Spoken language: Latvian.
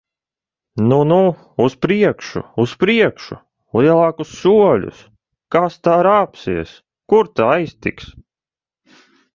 Nu, nu! Uz priekšu! Uz priekšu! Lielākus soļus! Kas tā rāpsies! Kur ta aiztiks!